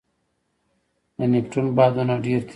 د نیپټون بادونه ډېر تېز دي.